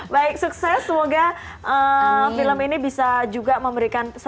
baik sukses semoga film ini bisa juga memberikan kesempatan